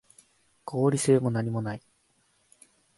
合理性もなにもない